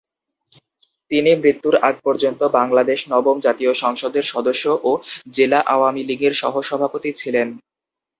তিনি মৃত্যুর আগ পর্যন্ত বাংলাদেশ নবম জাতীয় সংসদের সদস্য ও জেলা আওয়ামী লীগের সহ সভাপতি ছিলেন।